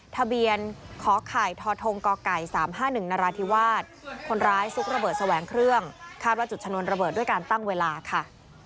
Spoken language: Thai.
ทะเบียนขอไข่ททก๓๕๑นราธิวาสคนร้ายซุกระเบิดแสวงเครื่องคาดว่าจุดชนวนระเบิดด้วยการตั้งเวลาค่ะ